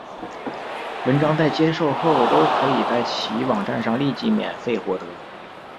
文章在接受后都可以在其网站上立即免费获得。